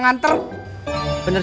gak tau pak rw